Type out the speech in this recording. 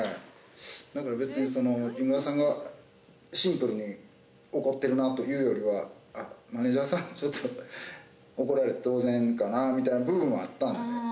だから別に木村さんがシンプルに怒ってるな！というよりはマネージャーさんちょっと怒られて当然かなみたいな部分はあったので。